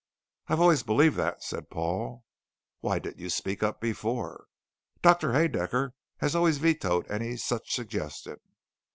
"I've always believed that," said Paul. "Why didn't you speak up before?" "Doctor Haedaecker has always vetoed any such suggestion."